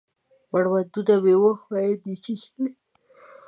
مړوندونه مې وښیو دی چیچلي